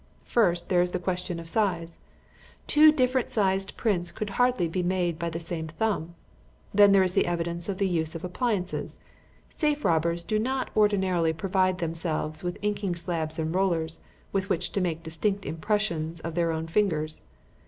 "First, there is the question of size. Two different sized prints could hardly be made by the same thumb. Then there is the evidence of the use of appliances. Safe robbers do not ordinarily provide themselves with inking slabs and rollers with which to make distinct impressions of their own fingers.